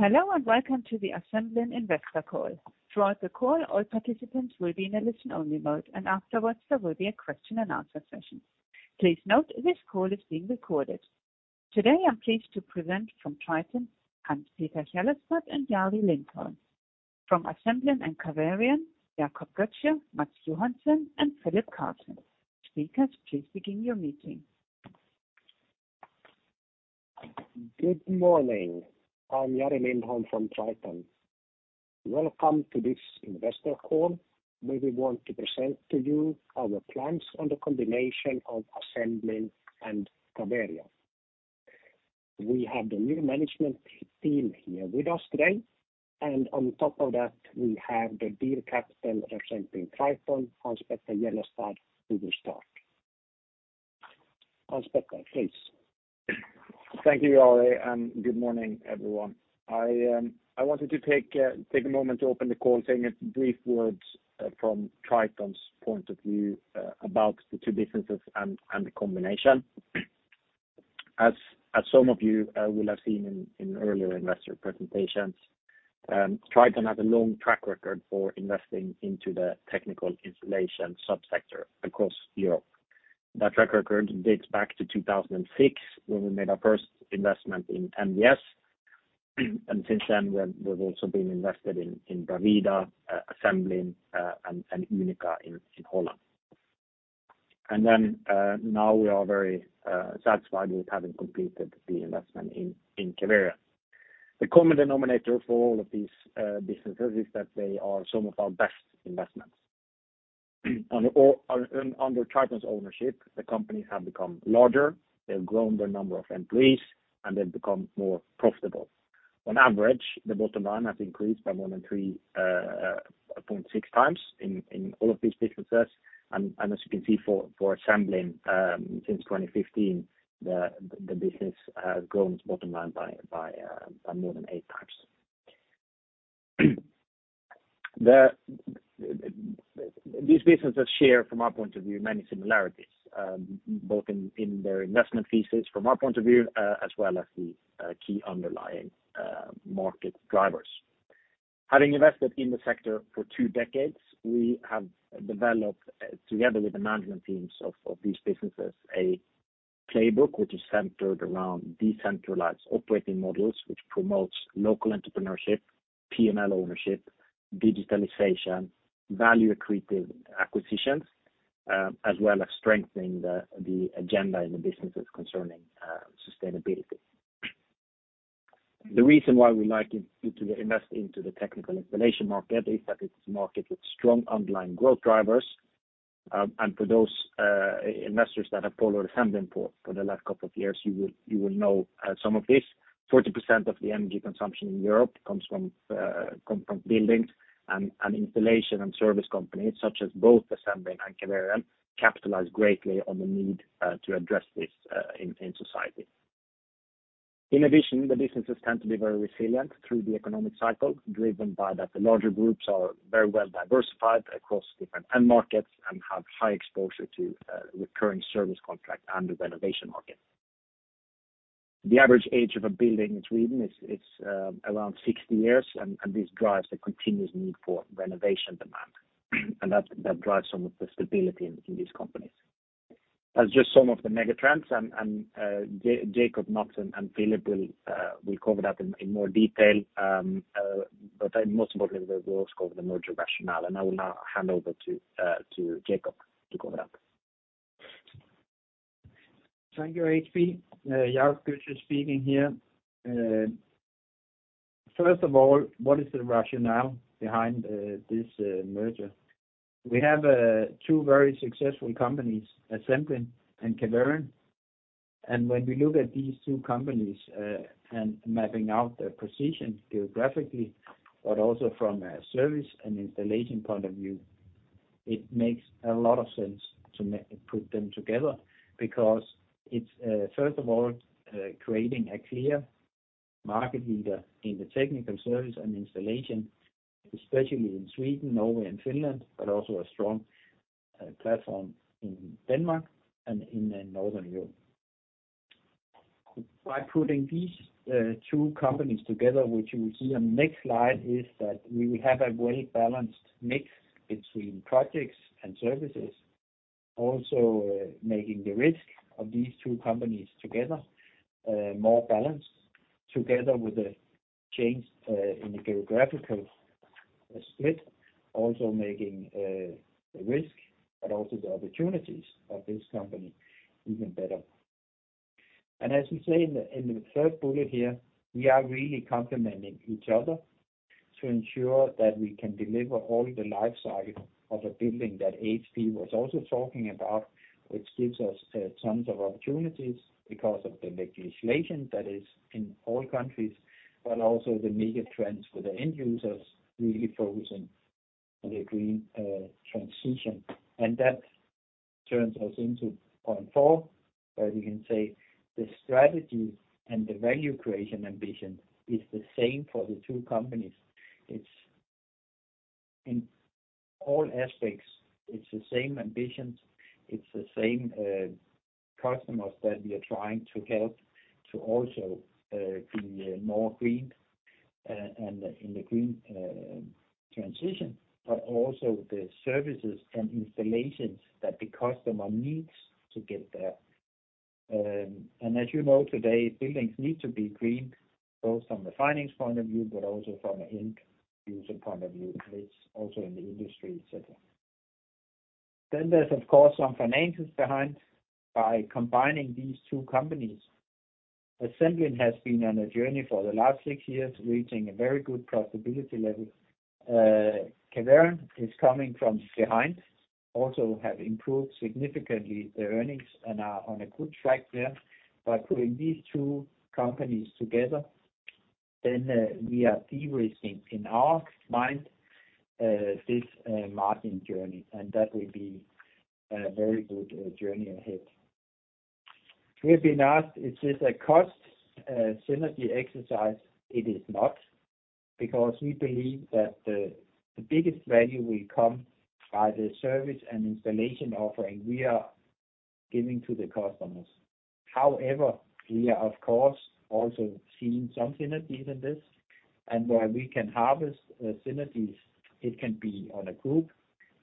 Hello and welcome to the Assemblin Investor Call. Throughout the call, all participants will be in a listen-only mode, and afterwards there will be a question-and-answer session. Please note this call is being recorded. Today I'm pleased to present from Triton, Hans Petter Hjellestad, and Jari Lindholm. From Assemblin and Caverion, Jacob Götzsche, Mats Johansson, and Philip Carlsson. Speakers, please begin your meeting. Good morning. I'm Jari Lindholm from Triton. Welcome to this investor call where we want to present to you our plans on the combination of Assemblin and Caverion. We have the new management team here with us today, and on top of that we have the deal captain representing Triton, Hans Petter Hjellestad, who will start. Hans Petter, please. Thank you, Jari. Good morning, everyone. I wanted to take a moment to open the call saying a brief word from Triton's point of view about the two businesses and the combination. As some of you will have seen in earlier investor presentations, Triton has a long track record for investing into the technical installation subsector across Europe. That track record dates back to 2006 when we made our first investment in NVS, and since then we've also been invested in Bravida, Assemblin, and Unica in Holland. And then now we are very satisfied with having completed the investment in Caverion. The common denominator for all of these businesses is that they are some of our best investments. Under Triton's ownership, the companies have become larger, they've grown their number of employees, and they've become more profitable. On average, the bottom line has increased by more than 3.6x in all of these businesses, and as you can see for Assemblin since 2015, the business has grown its bottom line by more than 8x. These businesses share, from our point of view, many similarities, both in their investment thesis from our point of view as well as the key underlying market drivers. Having invested in the sector for two decades, we have developed, together with the management teams of these businesses, a playbook which is centered around decentralized operating models, which promotes local entrepreneurship, P&L ownership, digitalization, value creative acquisitions, as well as strengthening the agenda in the businesses concerning sustainability. The reason why we like to invest into the technical installation market is that it's a market with strong underlying growth drivers, and for those investors that have followed Assemblin for the last couple of years, you will know some of this. 40% of the energy consumption in Europe comes from buildings and installation and service companies, such as both Assemblin and Caverion, capitalize greatly on the need to address this in society. In addition, the businesses tend to be very resilient through the economic cycle, driven by that the larger groups are very well diversified across different end markets and have high exposure to recurring service contract and renovation markets. The average age of a building in Sweden is around 60 years, and this drives the continuous need for renovation demand, and that drives some of the stability in these companies. That's just some of the megatrends, and Jacob, Mats, and Philip will cover that in more detail, but most importantly, we'll also cover the merger rationale, and I will now hand over to Jacob to cover that. Thank you, HP. Jacob Götzsche speaking here. First of all, what is the rationale behind this merger? We have two very successful companies, Assemblin and Caverion, and when we look at these two companies and mapping out their position geographically, but also from a service and installation point of view, it makes a lot of sense to put them together because it's, first of all, creating a clear market leader in the technical service and installation, especially in Sweden, Norway, and Finland, but also a strong platform in Denmark and in Northern Europe. By putting these two companies together, which you will see on the next slide, is that we will have a well-balanced mix between projects and services, also making the risk of these two companies together more balanced, together with a change in the geographical split, also making the risk, but also the opportunities of this company even better. As we say in the third bullet here, we are really complementing each other to ensure that we can deliver all the lifecycle of a building that HP was also talking about, which gives us tons of opportunities because of the legislation that is in all countries, but also the megatrends with the end users really focusing on the green transition. That turns us into point four, where you can say the strategy and the value creation ambition is the same for the two companies. In all aspects, it's the same ambitions. It's the same customers that we are trying to help to also be more green in the green transition, but also the services and installations that the customer needs to get there. And as you know today, buildings need to be green both from a finance point of view, but also from an end user point of view, which is also in the industry, etc. Then there's, of course, some finances behind. By combining these two companies, Assemblin has been on a journey for the last six years, reaching a very good profitability level. Caverion is coming from behind, also have improved significantly their earnings and are on a good track there. By putting these two companies together, then we are de-risking in our mind this margin journey, and that will be a very good journey ahead. We have been asked, "Is this a cost synergy exercise?" It is not because we believe that the biggest value will come by the service and installation offering we are giving to the customers. However, we are, of course, also seeing some synergies in this, and where we can harvest synergies, it can be on a group,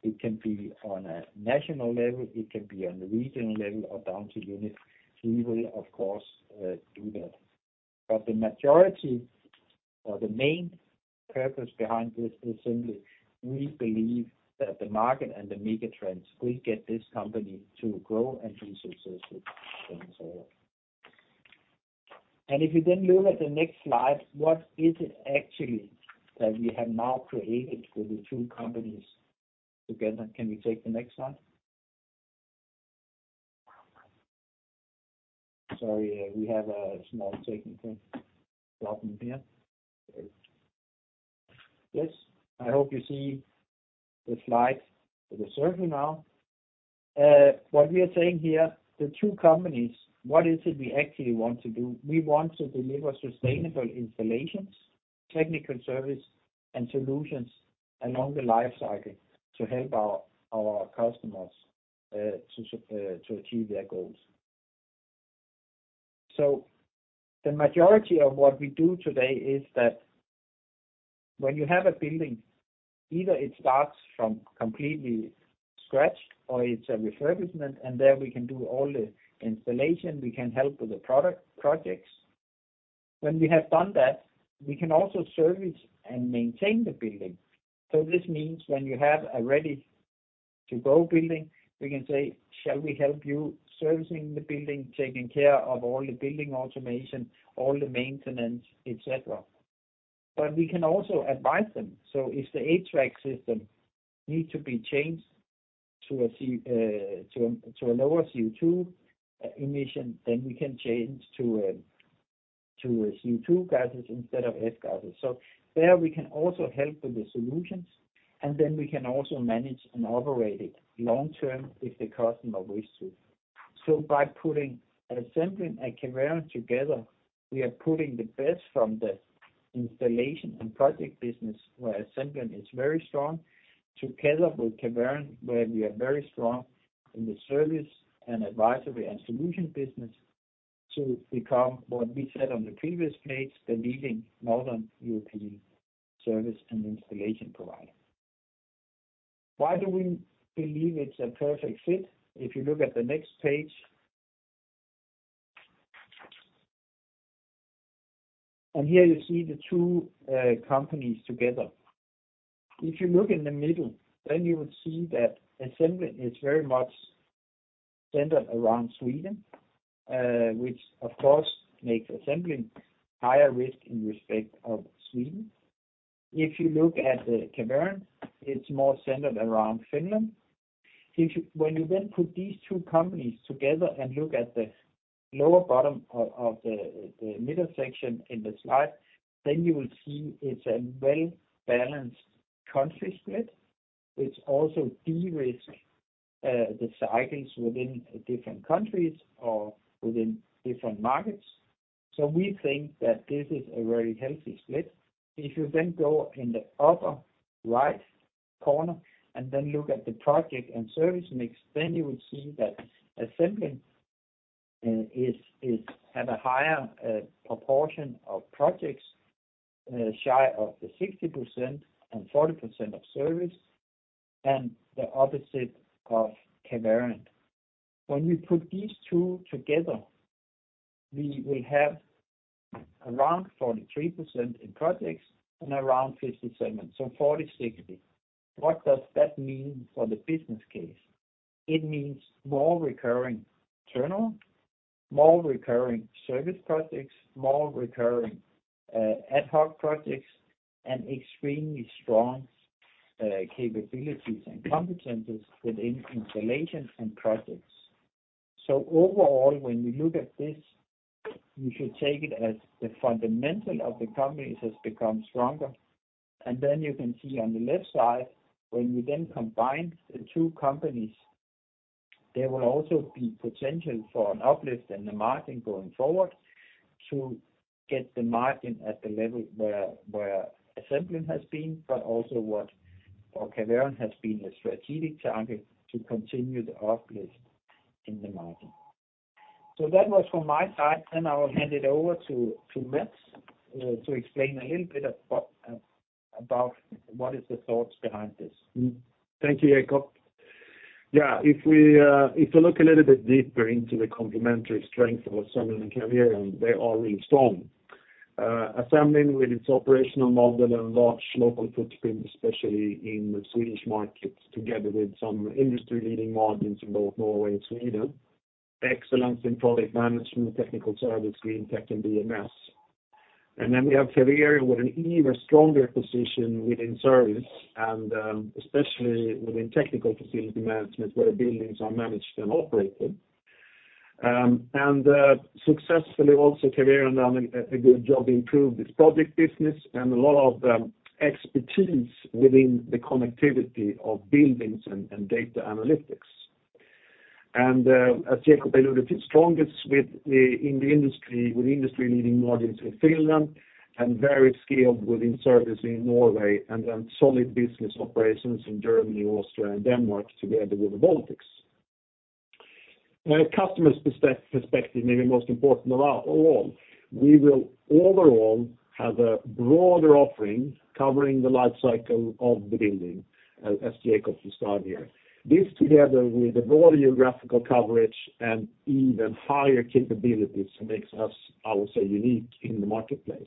it can be on a national level, it can be on a regional level, or down to unit. We will, of course, do that. But the majority or the main purpose behind this is simply we believe that the market and the megatrends will get this company to grow and be successful, and so on. And if you then look at the next slide, what is it actually that we have now created with the two companies together? Can we take the next slide? Sorry, we have a small technical problem here. Yes, I hope you see the slide with the circle now. What we are saying here, the two companies, what is it we actually want to do? We want to deliver sustainable installations, technical service, and solutions along the lifecycle to help our customers to achieve their goals. So the majority of what we do today is that when you have a building, either it starts from completely scratch or it's a refurbishment, and there we can do all the installation, we can help with the projects. When we have done that, we can also service and maintain the building. So this means when you have a ready-to-go building, we can say, "Shall we help you servicing the building, taking care of all the building automation, all the maintenance, etc.?" But we can also advise them. So if the HVAC system needs to be changed to a lower CO2 emission, then we can change to CO2 gases instead of F gases. So there we can also help with the solutions, and then we can also manage and operate it long-term if the customer wishes to. So by putting Assemblin and Caverion together, we are putting the best from the installation and project business where Assemblin is very strong together with Caverion, where we are very strong in the service and advisory and solution business to become what we said on the previous page, the leading Northern European service and installation provider. Why do we believe it's a perfect fit? If you look at the next page, and here you see the two companies together. If you look in the middle, then you would see that Assemblin is very much centered around Sweden, which, of course, makes Assemblin higher risk in respect of Sweden. If you look at Caverion, it's more centered around Finland. When you then put these two companies together and look at the lower bottom of the middle section in the slide, then you will see it's a well-balanced country split. It's also de-risk the cycles within different countries or within different markets. So we think that this is a very healthy split. If you then go in the upper right corner and then look at the project and service mix, then you would see that Assemblin had a higher proportion of projects, shy of the 60% and 40% of service, and the opposite of Caverion. When we put these two together, we will have around 43% in projects and around 57%, so 40/60. What does that mean for the business case? It means more recurring turnover, more recurring service projects, more recurring ad hoc projects, and extremely strong capabilities and competences within installation and projects. So overall, when you look at this, you should take it as the fundamental of the companies has become stronger. And then you can see on the left side, when you then combine the two companies, there will also be potential for an uplift in the margin going forward to get the margin at the level where Assemblin has been, but also what for Caverion has been a strategic target to continue the uplift in the margin. So that was from my side, and I will hand it over to Mats to explain a little bit about what are the thoughts behind this. Thank you, Jacob. Yeah, if we look a little bit deeper into the complementary strengths of Assemblin and Caverion, they are really strong. Assemblin, with its operational model and large local footprint, especially in the Swedish market, together with some industry-leading margins in both Norway and Sweden, excellence in project management, technical service, green tech, and BMS. And then we have Caverion with an even stronger position within service, and especially within technical facility management where buildings are managed and operated. And successfully, also, Caverion done a good job improving its project business and a lot of expertise within the connectivity of buildings and data analytics. As Jacob alluded, it's strongest in the industry with industry-leading margins in Finland and very scaled within service in Norway and then solid business operations in Germany, Austria, and Denmark together with the Baltics. Customer's perspective, maybe most important of all, we will overall have a broader offering covering the lifecycle of the building, as Jacob described here. This together with the broader geographical coverage and even higher capabilities makes us, I would say, unique in the marketplace.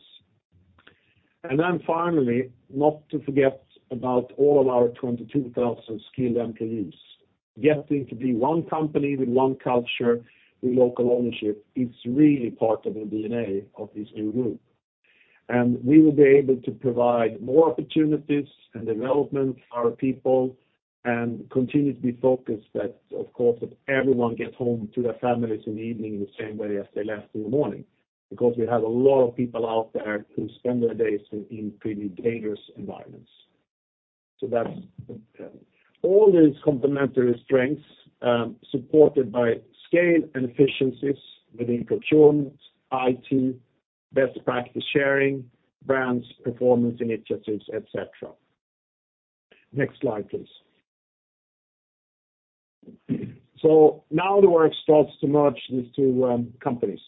Then finally, not to forget about all of our 22,000 skilled employees. Getting to be one company with one culture with local ownership is really part of the DNA of this new group. We will be able to provide more opportunities and development for our people and continue to be focused that, of course, that everyone gets home to their families in the evening in the same way as they left in the morning because we have a lot of people out there who spend their days in pretty dangerous environments. All these complementary strengths supported by scale and efficiencies within procurement, IT, best practice sharing, brands, performance initiatives, etc. Next slide, please. Now the work starts to merge these two companies.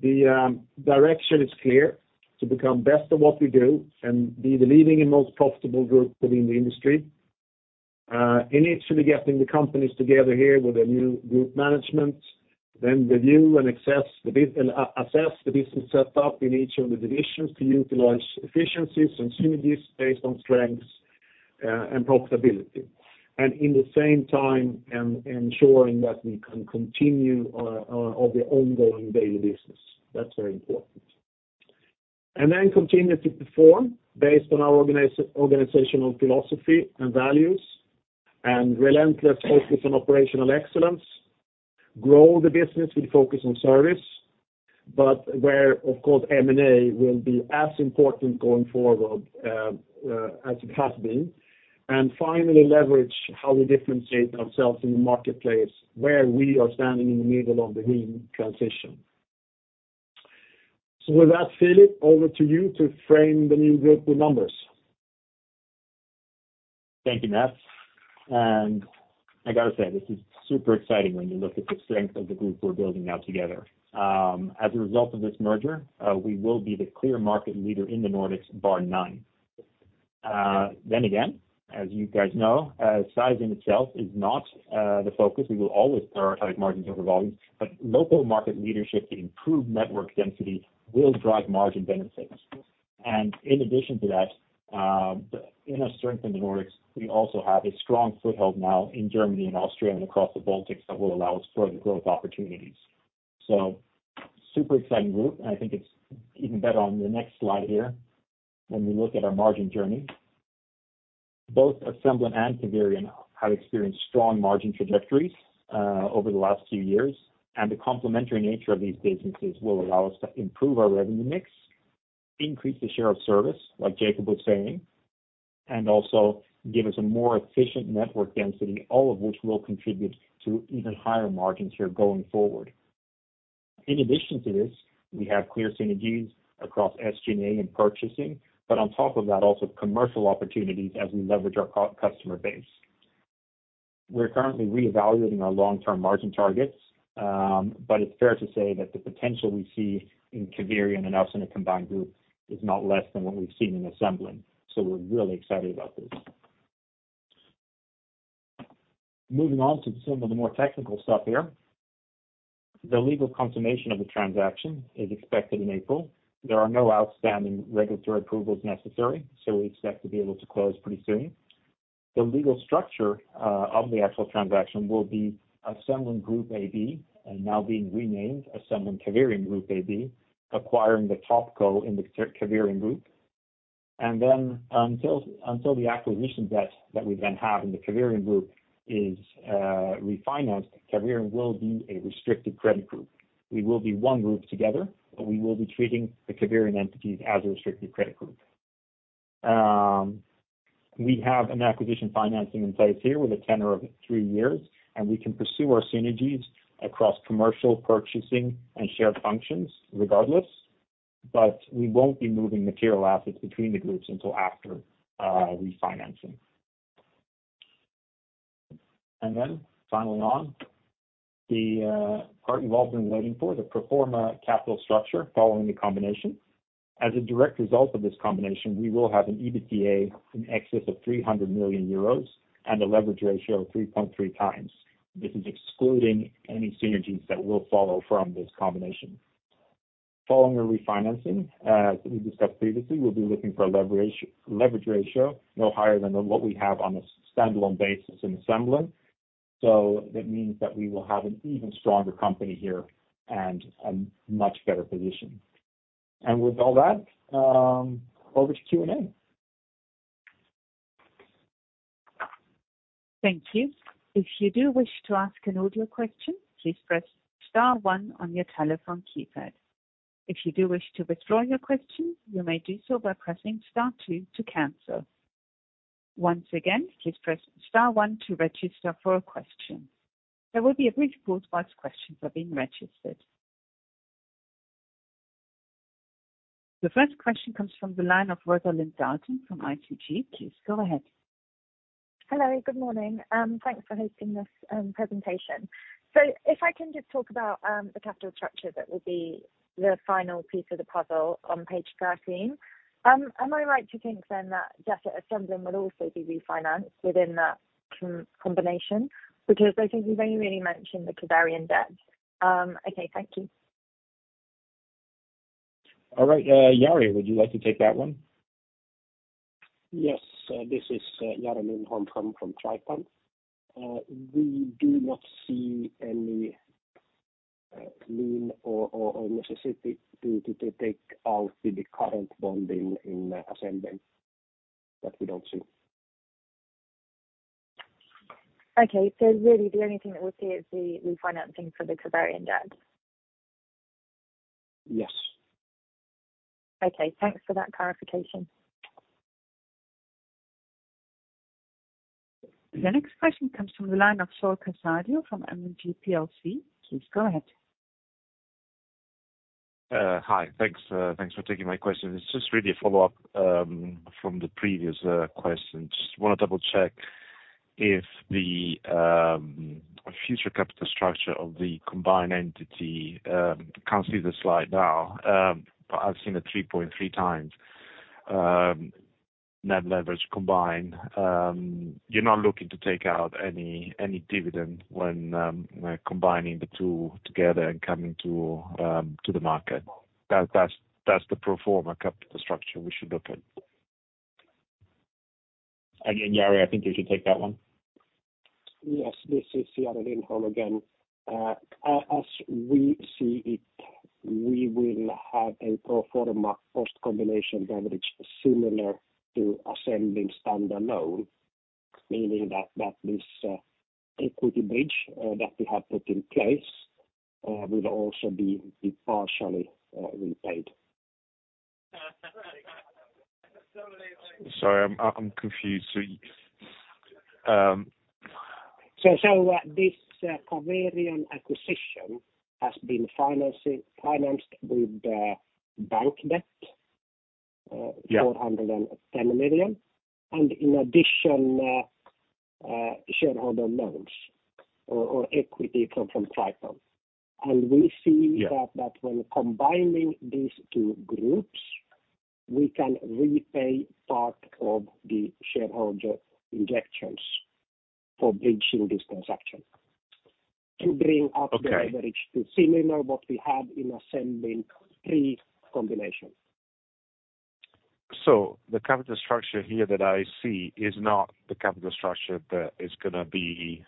The direction is clear to become best of what we do and be the leading and most profitable group within the industry. Initially getting the companies together here with a new group management, then review and assess the business setup in each of the divisions to utilize efficiencies and synergies based on strengths and profitability, and in the same time, ensuring that we can continue of the ongoing daily business. That's very important. Then continue to perform based on our organizational philosophy and values and relentless focus on operational excellence, grow the business with focus on service, but where, of course, M&A will be as important going forward as it has been, and finally leverage how we differentiate ourselves in the marketplace, where we are standing in the middle of the green transition. So with that, Philip, over to you to frame the new group with numbers. Thank you, Mats. I got to say, this is super exciting when you look at the strength of the group we're building now together. As a result of this merger, we will be the clear market leader in the Nordics bar none. Then again, as you guys know, size in itself is not the focus. We will always prioritize margins over volumes, but local market leadership, the improved network density, will drive margin benefits. And in addition to that, in our strength in the Nordics, we also have a strong foothold now in Germany and Austria and across the Baltics that will allow us further growth opportunities. Super exciting group, and I think it's even better on the next slide here when we look at our margin journey. Both Assemblin and Caverion have experienced strong margin trajectories over the last few years, and the complementary nature of these businesses will allow us to improve our revenue mix, increase the share of service, like Jacob was saying, and also give us a more efficient network density, all of which will contribute to even higher margins here going forward. In addition to this, we have clear synergies across SG&A and purchasing, but on top of that, also commercial opportunities as we leverage our customer base. We're currently reevaluating our long-term margin targets, but it's fair to say that the potential we see in Caverion and us in a combined group is not less than what we've seen in Assemblin. So we're really excited about this. Moving on to some of the more technical stuff here. The legal consummation of the transaction is expected in April. There are no outstanding regulatory approvals necessary, so we expect to be able to close pretty soon. The legal structure of the actual transaction will be Assemblin Group AB, now being renamed Assemblin Caverion Group AB, acquiring the Topco in the Caverion group. And then until the acquisition debt that we then have in the Caverion group is refinanced, Caverion will be a restricted credit group. We will be one group together, but we will be treating the Caverion entities as a restricted credit group. We have an acquisition financing in place here with a tenor of three years, and we can pursue our synergies across commercial, purchasing, and shared functions regardless, but we won't be moving material assets between the groups until after refinancing. And then finally, on the part you've all been waiting for, the pro forma capital structure following the combination. As a direct result of this combination, we will have an EBITDA in excess of 300 million euros and a leverage ratio of 3.3 times. This is excluding any synergies that will follow from this combination. Following our refinancing, as we discussed previously, we'll be looking for a leverage ratio no higher than what we have on a standalone basis in Assemblin. So that means that we will have an even stronger company here and a much better position. And with all that, over to Q&A. Thank you. If you do wish to ask an audio question, please press star 1 on your telephone keypad. If you do wish to withdraw your question, you may do so by pressing star 2 to cancel. Once again, please press star 1 to register for a question. There will be a brief pause while questions are being registered. The first question comes from the line of Rosalind Dalton from ICG. Please go ahead. Hello. Good morning. Thanks for hosting this presentation. So if I can just talk about the capital structure that will be the final piece of the puzzle on page 13, am I right to think then that Assemblin will also be refinanced within that combination because I think you've only really mentioned the Caverion debt? Okay. Thank you. All right. Jari, would you like to take that one? Yes. This is Jari Lindholm from Triton. We do not see any need or necessity to take out the current bond in Assemblin that we don't see. Okay. So really, the only thing that we'll see is the refinancing for the Caverion debt? Yes. Okay. Thanks for that clarification. The next question comes from the line of Saul Casadio from M&G PLC. Please go ahead. Hi. Thanks for taking my question. It's just really a follow-up from the previous question. Just want to double-check if the future capital structure of the combined entity—I can't see the slide now, but I've seen it—3.3x net leverage combined. You're not looking to take out any dividend when combining the two together and coming to the market. That's the pro forma capital structure we should look at. Again, Jari, I think you should take that one. Yes. This is Jari Lindholm again. As we see it, we will have a pro forma post-combination leverage similar to Assemblin standalone, meaning that this equity bridge that we have put in place will also be partially repaid. Sorry. I'm confused. This Caverion acquisition has been financed with bank debt, 410 million, and in addition, shareholder loans or equity from Triton. We see that when combining these two groups, we can repay part of the shareholder injections for bridging this transaction to bring up the leverage to similar to what we had in Assemblin pre-combination. The capital structure here that I see is not the capital structure that is going to be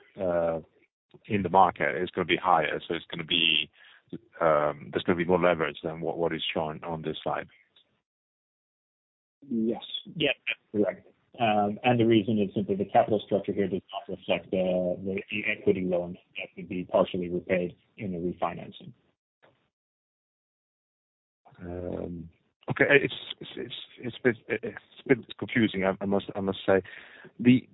in the market. It's going to be higher. So, there's going to be more leverage than what is shown on this slide. Yes. Yep. Correct. The reason is simply the capital structure here does not reflect the equity loan that would be partially repaid in the refinancing. Okay. It's a bit confusing, I must say. The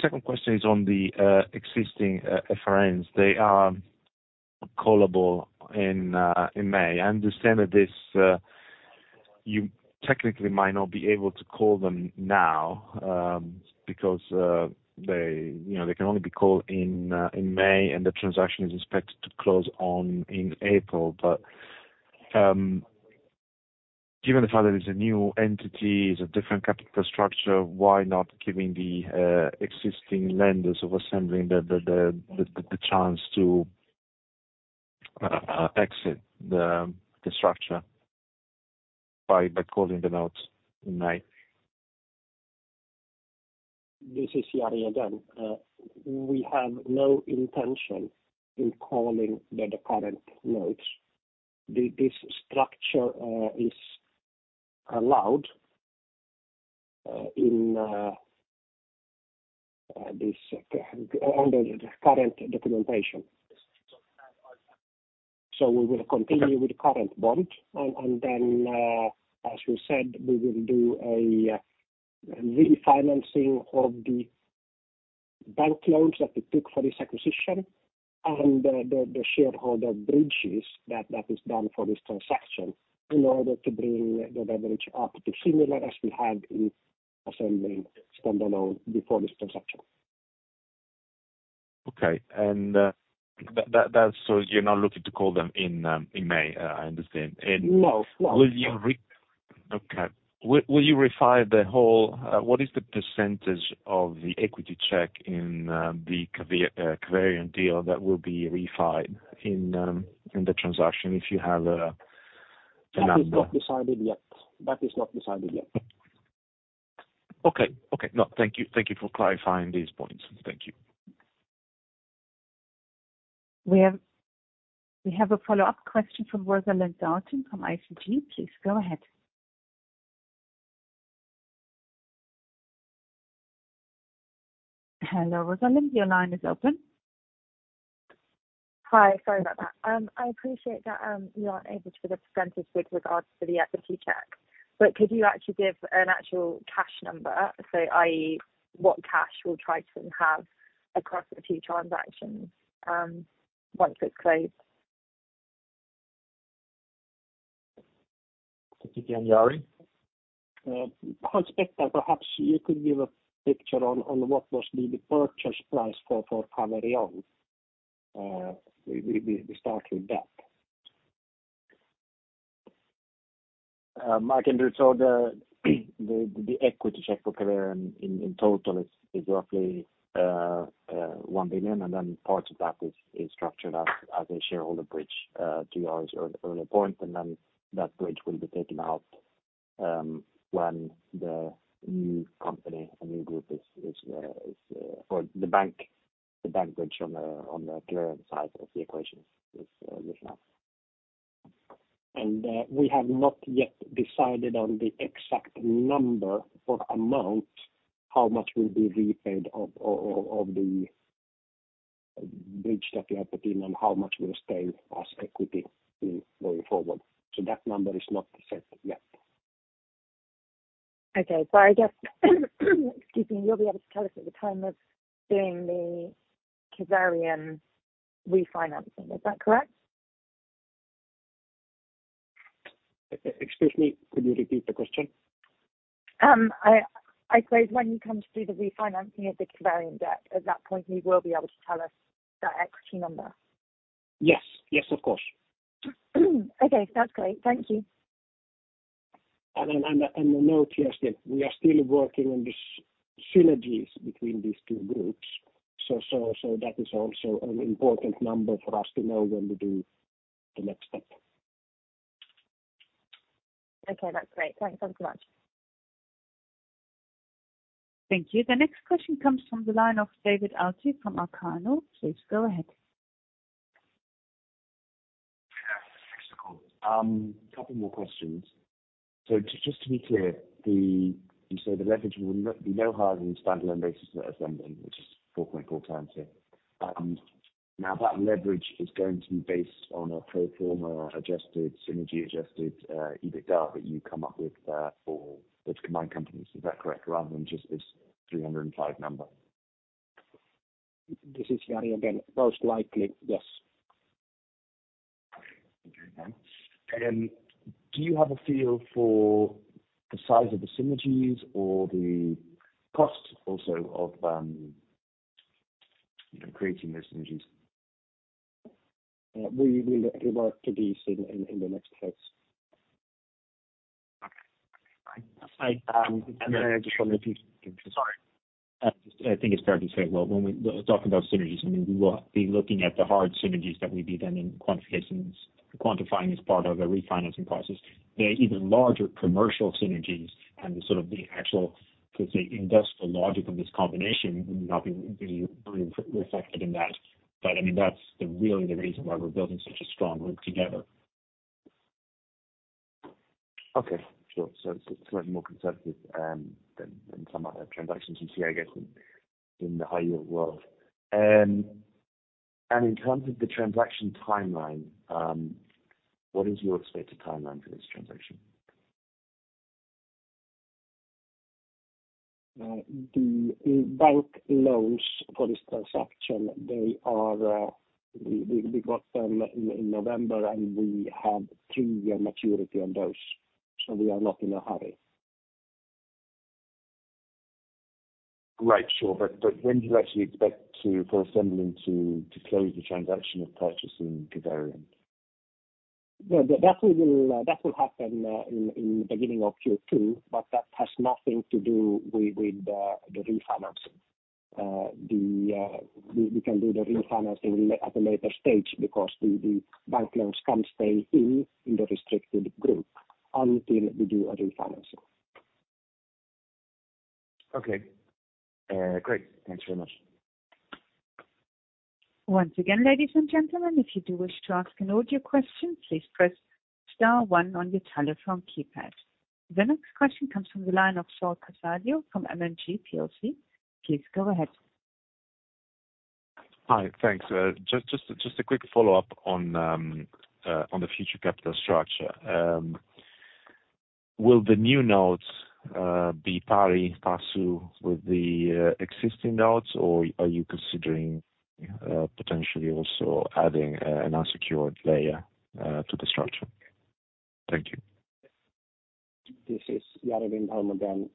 second question is on the existing FRNs. They are callable in May. I understand that you technically might not be able to call them now because they can only be called in May, and the transaction is expected to close in April. But given the fact that it's a new entity, it's a different capital structure, why not giving the existing lenders of Assemblin the chance to exit the structure by calling the notes in May? This is Jari again. We have no intention of calling the current notes. This structure is allowed under the current documentation. We will continue with current bond. Then, as we said, we will do a refinancing of the bank loans that we took for this acquisition and the shareholder bridges that is done for this transaction in order to bring the leverage up to similar as we had in Assemblin standalone before this transaction. Okay. And so you're not looking to call them in May, I understand. No. No. Okay. What is the percentage of the equity check in the Caverion deal that will be refinanced in the transaction if you have a number? That is not decided yet. That is not decided yet. Okay. Okay. No. Thank you for clarifying these points. Thank you. We have a follow-up question from Rosalind Dalton from ICG. Please go ahead. Hello, Rosalind. Your line is open. Hi. Sorry about that. I appreciate that you aren't able to give a percentage with regards to the equity check, but could you actually give an actual cash number, i.e., what cash we'll try to have across the two transactions once it's closed? Thank you again, Jari. I suspect that perhaps you could give a picture on what must be the purchase price for Caverion. We start with that. Martin Huth, the equity check for Caverion in total is roughly 1 million, and then part of that is structured as a shareholder bridge to Jari's earlier point. And then that bridge will be taken out when the new company, a new group, is or the bank bridge on the Caverion side of the equation is looked at. We have not yet decided on the exact number or amount how much will be repaid of the bridge that we have put in and how much will stay as equity going forward. That number is not set yet. Okay. So I guess, excuse me, you'll be able to tell us at the time of doing the Caverion refinancing. Is that correct? Excuse me. Could you repeat the question? I suppose when you come to do the refinancing of the Caverion debt, at that point, you will be able to tell us that extreme number? Yes. Yes, of course. Okay. That's great. Thank you. A note, yes, we are still working on the synergies between these two groups. So that is also an important number for us to know when we do the next step. Okay. That's great. Thanks so much. Thank you. The next question comes from the line of David Alty from Arcano. Please go ahead. Hey, Jari. Thanks for calling. A couple more questions. So just to be clear, you say the leverage will be no higher than the standalone basis for Assemblin, which is 4.4 times here. Now, that leverage is going to be based on a pro forma adjusted, synergy-adjusted EBITDA that you come up with for the combined companies. Is that correct, rather than just this 305 number? This is Jari again. Most likely, yes. Okay. And do you have a feel for the size of the synergies or the cost also of creating those synergies? We will rework to these in the next phase. Okay. Okay. Fine. And then I just want to. Sorry. I think it's fair to say when we're talking about synergies, I mean, we will be looking at the hard synergies that we'd be then quantifying as part of a refinancing process. The even larger commercial synergies and sort of the actual, so to say, industrial logic of this combination would not be reflected in that. But I mean, that's really the reason why we're building such a strong group together. Okay. Sure. So it's slightly more conservative than some other transactions you see, I guess, in the high-yield world. In terms of the transaction timeline, what is your expected timeline for this transaction? The bank loans for this transaction, we got them in November, and we have three-year maturity on those. So we are not in a hurry. Right. Sure. But when do you actually expect for Assemblin to close the transaction of purchasing Caverion? That will happen in the beginning of Q2, but that has nothing to do with the refinancing. We can do the refinancing at a later stage because the bank loans can stay in the restricted group until we do a refinancing. Okay. Great. Thanks very much. Once again, ladies and gentlemen, if you do wish to ask an audio question, please press star 1 on your telephone keypad. The next question comes from the line of Saul Casadio from M&G PLC. Please go ahead. Hi. Thanks. Just a quick follow-up on the future capital structure. Will the new notes be pari passu with the existing notes, or are you considering potentially also adding an unsecured layer to the structure? Thank you. This is Jari Lindholm again.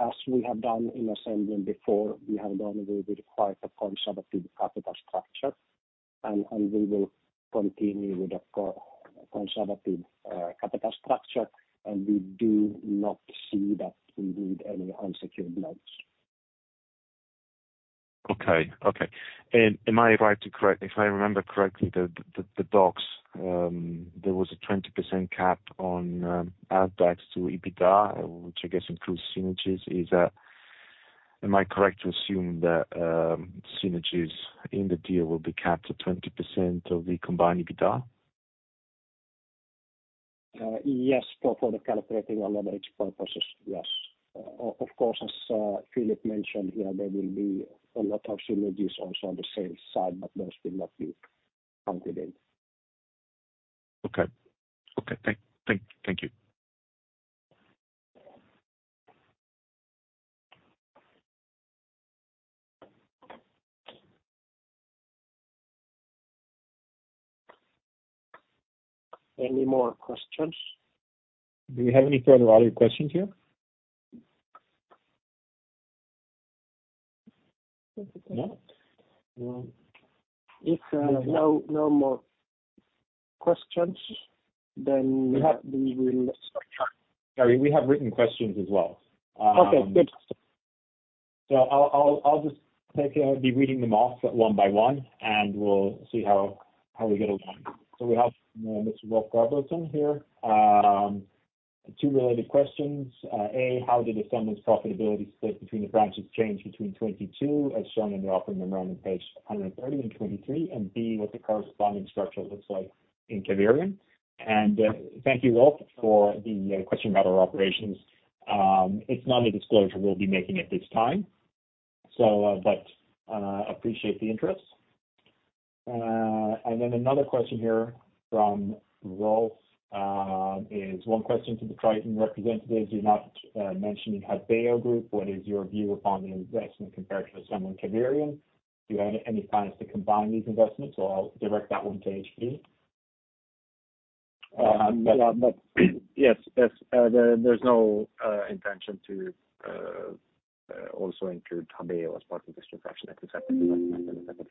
As we have done in Assemblin before, we have gone away with quite a conservative capital structure, and we will continue with a conservative capital structure. We do not see that we need any unsecured notes. Okay. Okay. And am I right to correct if I remember correctly the docs, there was a 20% cap on add-backs to EBITDA, which I guess includes synergies. Am I correct to assume that synergies in the deal will be capped at 20% of the combined EBITDA? Yes. For calculating our leverage purposes, yes. Of course, as Philip mentioned here, there will be a lot of synergies also on the sales side, but those will not be counted in. Okay. Okay. Thank you. Any more questions? Do we have any further audio questions here? If no more questions, then we will. Jari. We have written questions as well. Okay. Good. So I'll just be reading them off one by one, and we'll see how we get along. So we have Mr. Rob Warburton here. Two related questions. A, how did Assemblin's profitability split between the branches change between 2022, as shown in the offering memorandum page 130 and 2023? And B, what the corresponding structure looks like in Caverion. And thank you, Rob, for the question about our operations. It's not a disclosure we'll be making at this time, but appreciate the interest. And then another question here from Rolf is one question to the Triton representatives. You're not mentioning Habeo Group. What is your view upon the investment compared to Assemblin Caverion? Do you have any plans to combine these investments? So I'll direct that one to HP. Yes. There's no intention to also include Habeo as part of this transaction except in the second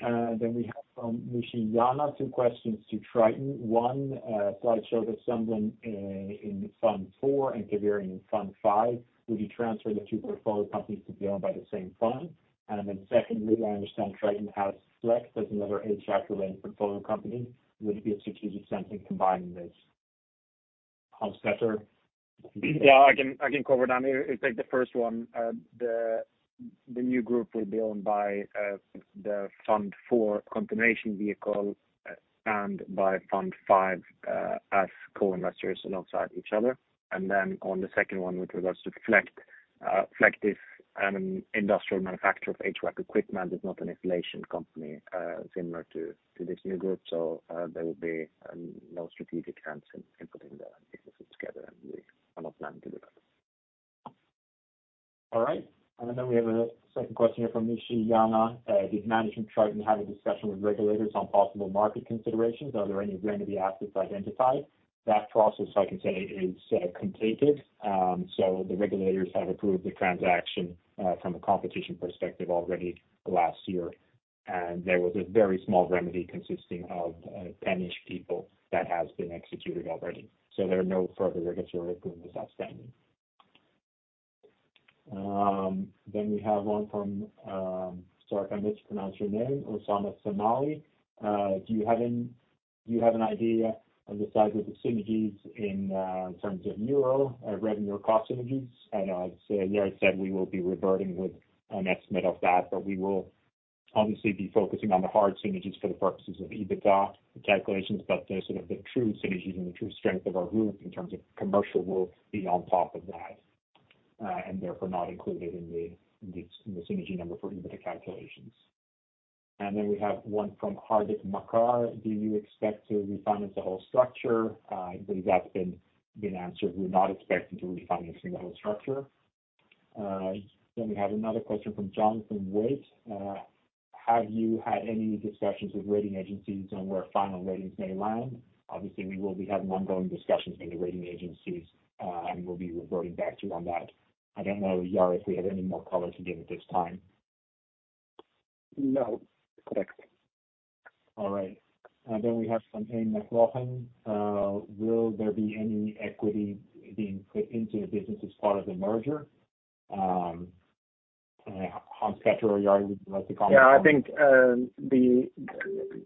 fund. Okay. Then we have from Michelle Yama two questions to Triton. One, acquired Assemblin in Fund 4 and Caverion in Fund 5. Would you transfer the two portfolio companies to be owned by the same fund? And then secondly, I understand Triton has Fläkt as another HVAC-related portfolio company. Would it be a strategic sense in combining this? Hans Petter? Yeah. I can cover that. If I take the first one, the new group will be owned by the Fund 4 continuation vehicle and by Fund 5 as co-investors alongside each other. And then on the second one with regards to Fläkt, Fläkt is an industrial manufacturer of HVAC equipment. It's not an insulation company similar to this new group. So there will be no strategic sense in putting the businesses together, and we are not planning to do that. All right. And then we have a second question here from Michelle Yama. Did management Triton have a discussion with regulators on possible market considerations? Are there any remedy assets identified? That process, I can say, is contained. So the regulators have approved the transaction from a competition perspective already last year. And there was a very small remedy consisting of 10-ish people that has been executed already. So there are no further regulatory agreements outstanding. Then we have one from—sorry, if I mispronounce your name—Oussama Semlali. Do you have an idea of the size of the synergies in terms of euro revenue or cost synergies? I know Jari said we will be reverting with an estimate of that, but we will obviously be focusing on the hard synergies for the purposes of EBITDA calculations. But sort of the true synergies and the true strength of our group in terms of commercial will be on top of that and therefore not included in the synergy number for EBITDA calculations. And then we have one from Hardik Makkar. Do you expect to refinance the whole structure? I believe that's been answered. We're not expecting to refinance the whole structure. Then we have another question from Jonathan Waite. Have you had any discussions with rating agencies on where final ratings may land? Obviously, we will be having ongoing discussions with the rating agencies, and we'll be reverting back to you on that. I don't know, Jari, if we have any more color to give at this time. No. Correct. All right. Then we have from Aine McLaughlin. Will there be any equity being put into the business as part of the merger? And Hans Petter or Jari, would you like to comment? Yeah. I think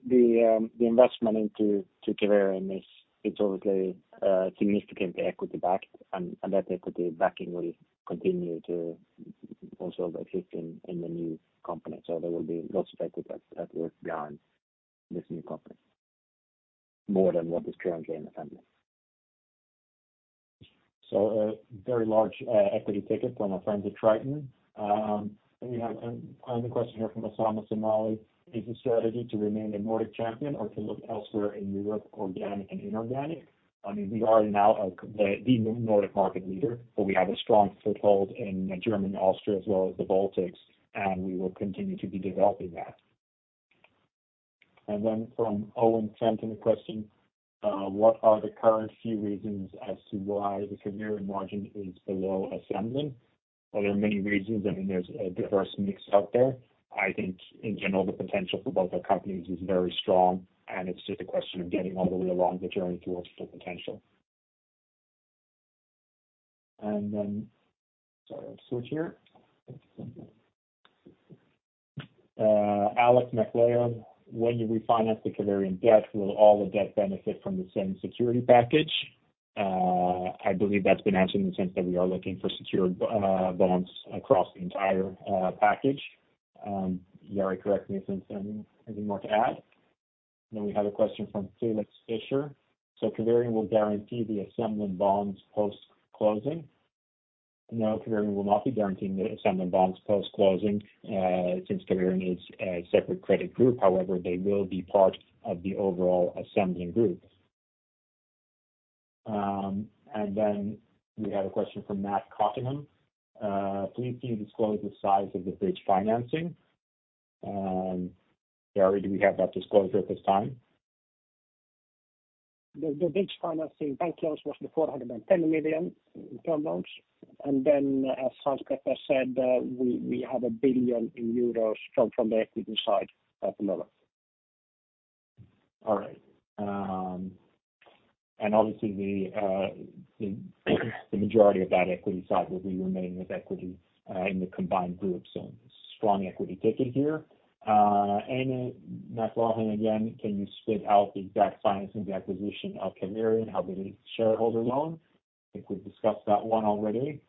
the investment into Caverion is obviously significantly equity-backed, and that equity backing will continue to also exist in the new company. There will be lots of equity at work behind this new company more than what is currently in Assemblin. So a very large equity ticket from a friend to Triton. Then we have another question here from Oussama Semlali. Is the strategy to remain a Nordic champion or to look elsewhere in Europe, organic and inorganic? I mean, we are now the Nordic market leader, but we have a strong foothold in Germany, Austria, as well as the Baltics, and we will continue to be developing that. And then from Owen Fenton a question. What are the current few reasons as to why the Caverion margin is below Assemblin? Well, there are many reasons. I mean, there's a diverse mix out there. I think, in general, the potential for both our companies is very strong, and it's just a question of getting all the way along the journey towards full potential. And then sorry, I'll switch here. Alex McLeod. When you refinance the Caverion debt, will all the debt benefit from the same security package? I believe that's been answered in the sense that we are looking for secured bonds across the entire package. Jari, correct me if there's anything more to add. Then we have a question from Philip Fisher. So Caverion will guarantee the Assemblin bonds post-closing? No, Caverion will not be guaranteeing the Assemblin bonds post-closing since Caverion is a separate credit group. However, they will be part of the overall Assemblin group. And then we have a question from Matt Cottingham. Please do disclose the size of the bridge financing. Jari, do we have that disclosure at this time? The bridge financing bank loans was the 410 million in term loans. And then, as Hans Petter said, we have 1 billion euros from the equity side at the moment. All right. Obviously, the majority of that equity side will be remaining as equity in the combined group. Strong equity ticket here. Aine McLaughlin again, can you spit out the exact financing of the acquisition of Caverion? How big is the shareholder loan? I think we've discussed that one already.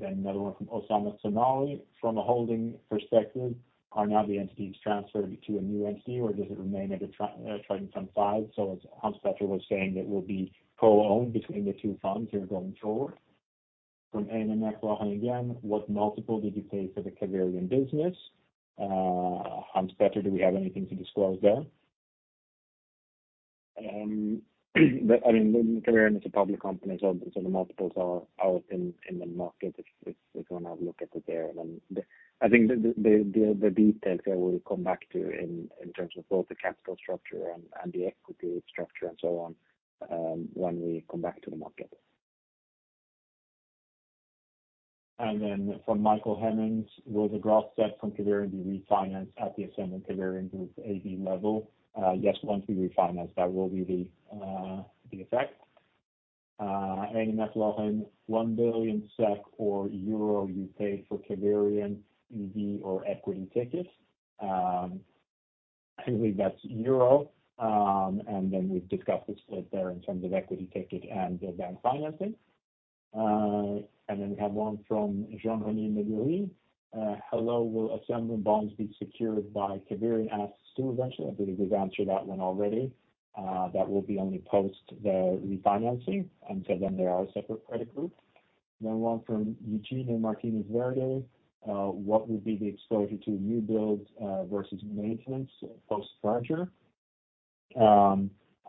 Another one from Oussama Semlali. From a holding perspective, are now the entities transferred to a new entity, or does it remain at a Triton Fund 5? As Hans Petter was saying, it will be co-owned between the two funds here going forward. From Aine McLaughlin again, what multiple did you pay for the Caverion business? Hans Petter, do we have anything to disclose there? I mean, Caverion is a public company, so the multiples are out in the market if you want to have a look at it there. And then I think the details there will come back to in terms of both the capital structure and the equity structure and so on when we come back to the market. And then from Michael Hemmings. Will the gross debt from Caverion be refinanced at the Assemblin Caverion Group AB level? Yes, once we refinance, that will be the effect. Aine McLaughlin, SEK 1 billion or euro you paid for Caverion EV or equity ticket? I believe that's euro. And then we've discussed the split there in terms of equity ticket and bank financing. And then we have one from Jean-René Médori. Hello, will Assemblin bonds be secured by Caverion assets too eventually? I believe we've answered that one already. That will be only post the refinancing. And so then there are separate credit groups. Then one from Eugenia Martinez Verde. What would be the exposure to new builds versus maintenance post-merger?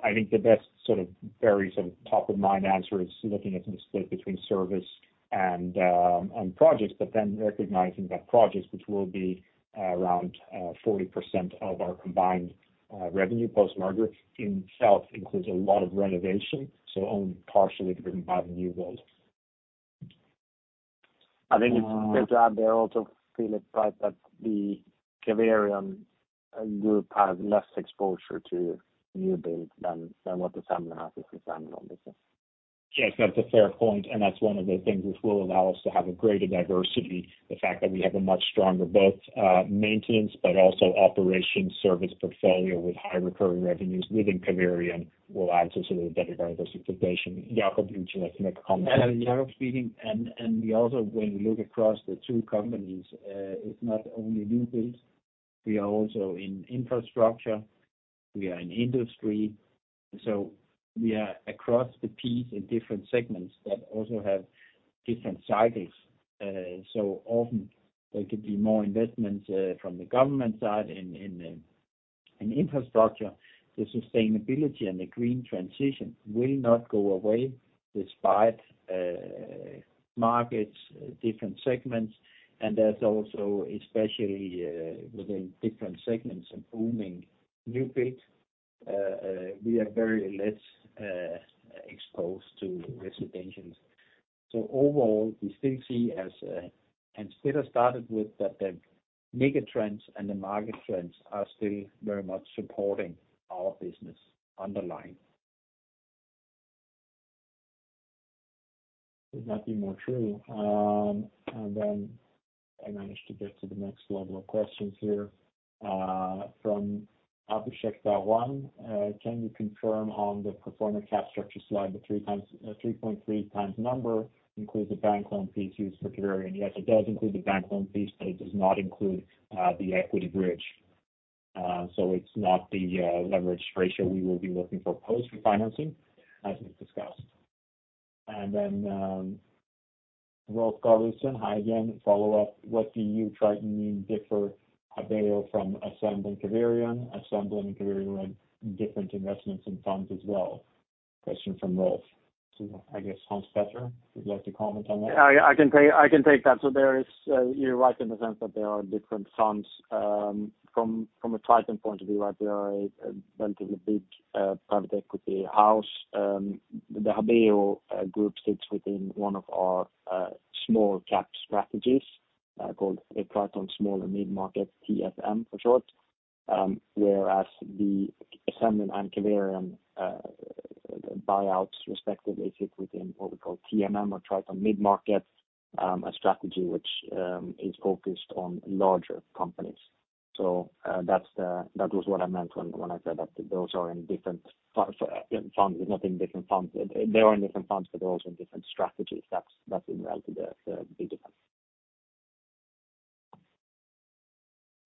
I think the best sort of very sort of top-of-mind answer is looking at the split between service and projects, but then recognizing that projects, which will be around 40% of our combined revenue post-merger, itself includes a lot of renovation. So only partially driven by the new build. I think it's a good job there also, Philip, right, that the Caverion group has less exposure to new build than what Assemblin has as Assemblin, obviously. Yes, that's a fair point. That's one of the things which will allow us to have a greater diversity. The fact that we have a much stronger both maintenance but also operation service portfolio with high recurring revenues within Caverion will add to sort of the better diversification. Jacob, do you want to make a comment? Yeah. Yeah. I was speaking. And also, when we look across the two companies, it's not only new build. We are also in infrastructure. We are in industry. So we are across the piece in different segments that also have different cycles. So often, there could be more investments from the government side in infrastructure. The sustainability and the green transition will not go away despite markets, different segments. And there's also, especially within different segments and booming new build, we are very less exposed to residentials. So overall, we still see, as Hans Petter started with, that the mega trends and the market trends are still very much supporting our business underlying. Could not be more true. Then I managed to get to the next level of questions here. From Abhishek Dhawan, can you confirm on the pro forma capital structure slide, the 3.3x number includes a bank loan piece used for Caverion? Yes, it does include the bank loan piece, but it does not include the equity bridge. So it's not the leverage ratio we will be looking for post-refinancing, as we've discussed. Then Rob Warburton, hi again. Follow up. What do you, Triton, mean differ Habeo from Assemblin Caverion? Assemblin and Caverion are different investments and funds as well. Question from Rob to, I guess, Hans Petter. Would you like to comment on that? Yeah. I can take that. So you're right in the sense that there are different funds. From a Triton point of view, right, we are a relatively big private equity house. The Habeo Group sits within one of our small-cap strategies called Triton Small and Mid Market, TSM for short, whereas the Assemblin and Caverion buyouts, respectively, sit within what we call TMM or Triton Mid Market, a strategy which is focused on larger companies. So that was what I meant when I said that those are in different funds. It's not in different funds. They are in different funds, but they're also in different strategies. That's in reality the big difference.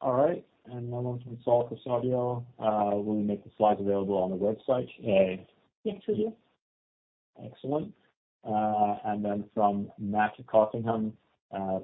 All right. And no one can solve this audio. Will we make the slides available on the website? Yes, we will. Excellent. And then from Matt Cottingham,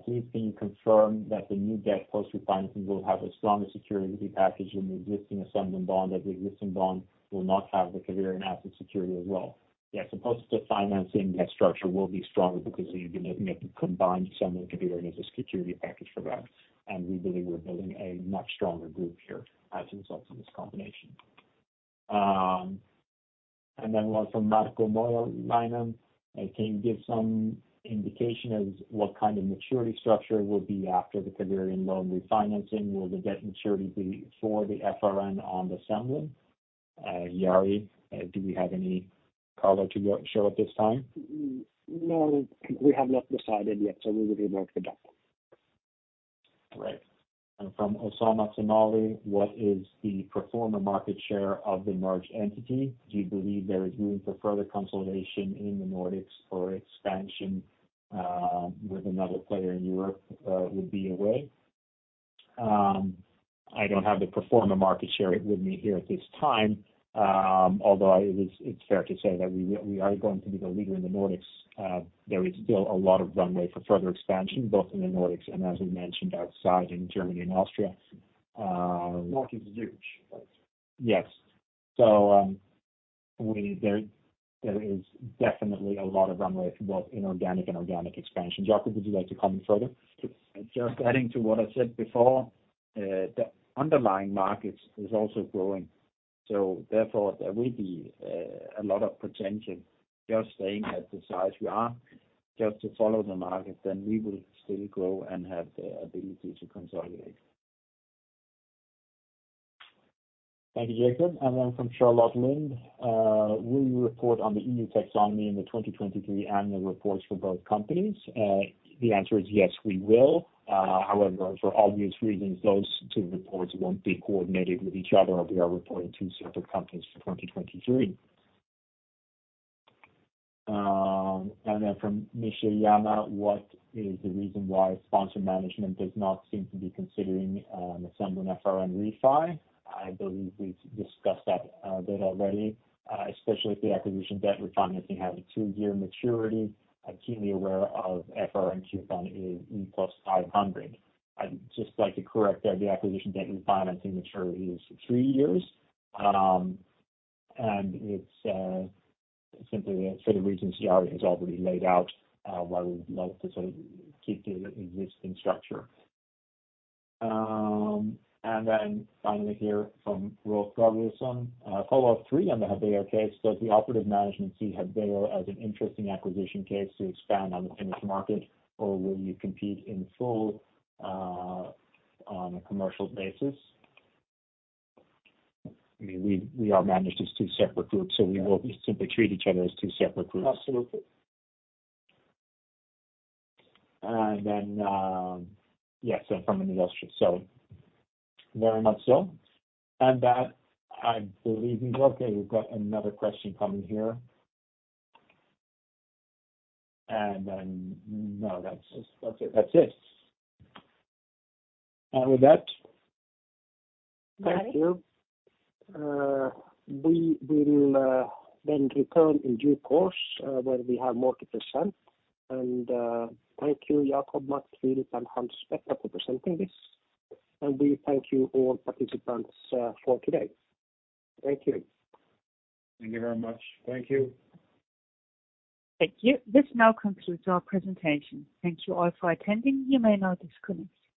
please, can you confirm that the new debt post-refinancing will have a stronger security package than the existing Assemblin bond, that the existing bond will not have the Caverion asset security as well? Yes, the proposed financing debt structure will be stronger because you've been looking at the combined Assemblin Caverion as a security package for that. And we believe we're building a much stronger group here as a result of this combination. And then one from Marko Moilanen. Can you give some indication as what kind of maturity structure will be after the Caverion loan refinancing? Will the debt maturity be for the FRN on Assemblin? Jari, do we have any color to show at this time? No, because we have not decided yet. So we will be able to look at that. Great. And from Oussama Semlali, what is the pro forma market share of the merged entity? Do you believe there is room for further consolidation in the Nordics or expansion with another player in Europe would be a way? I don't have the pro forma market share with me here at this time, although it's fair to say that we are going to be the leader in the Nordics. There is still a lot of runway for further expansion, both in the Nordics and, as we mentioned, outside in Germany and Austria. The market is huge, right? Yes. So there is definitely a lot of runway for both inorganic and organic expansion. Jacob, would you like to comment further? Just adding to what I said before, the underlying market is also growing. So therefore, there will be a lot of potential. Just staying at the size we are, just to follow the market, then we will still grow and have the ability to consolidate. Thank you, Jacob. Then from Charlotte Lind, will you report on the EU Taxonomy in the 2023 annual reports for both companies? The answer is yes, we will. However, for obvious reasons, those two reports won't be coordinated with each other, as we are reporting two separate companies for 2023. Then from Michelle Yama, what is the reason why sponsor management does not seem to be considering an Assemblin FRN refi? I believe we've discussed that a bit already, especially if the acquisition debt refinancing has a 2-year maturity. I'm keenly aware of FRN coupon is E plus 500. I'd just like to correct there. The acquisition debt refinancing maturity is 3 years. And it's simply for the reasons Jari has already laid out why we'd love to sort of keep the existing structure. Then finally here from Rob Warburton, follow up three on the Habeo case. Does the operating management see Habeo as an interesting acquisition case to expand on the Finnish market, or will you compete in full on a commercial basis? I mean, we are managed as two separate groups, so we will simply treat each other as two separate groups. Absolutely. And then yes, from another. So very much so. That, I believe, is okay. We've got another question coming here. Then no, that's it. That's it. That's it. And with that. Thank you. We will then return in due course when we have more to present. Thank you, Jacob, Mats, Philip, and Hans Petter for presenting this. We thank you, all participants, for today. Thank you. Thank you very much. Thank you. Thank you. This now concludes our presentation. Thank you all for attending. You may now disconnect.